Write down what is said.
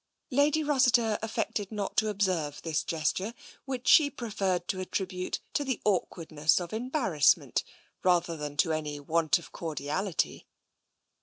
Lady Rossiter affected not to observe this gesture, which she preferred to attribute to the awkwardness of embarrassment rather than to any want of cor diality.